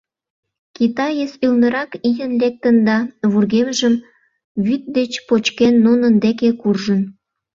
Китаец ӱлнырак ийын лектын да, вургемжым вӱд деч почкен, нунын деке куржын.